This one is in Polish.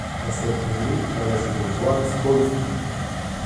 Następny ruch należy do władz polskich